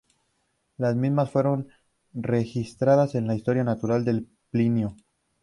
Las mismas fueron registradas en la Historia Natural de Plinio.